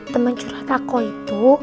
temen curhat aku itu